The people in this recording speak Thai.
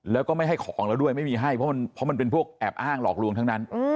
แล้วก็ไม่ให้ของแล้วด้วยไม่มีให้เพราะมันเป็นพวกแอบอ้างหลอกลวงทั้งนั้น